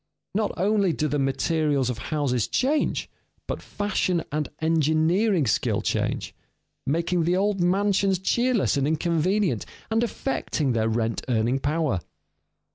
Not only do the materials of houses change, but fashion and engineering skill change, making the old mansions cheerless and inconvenient, and affecting their rent earning power.